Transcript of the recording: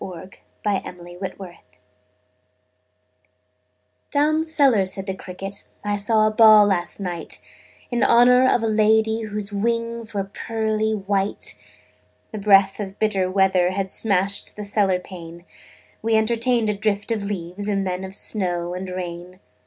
The Potato's Dance "Down cellar," said the cricket, "I saw a ball last night In honor of a lady Whose wings were pearly white. The breath of bitter weather Had smashed the cellar pane: We entertained a drift of leaves And then of snow and rain.